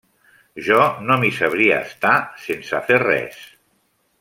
Jo no m’hi sabria estar, sense fer res.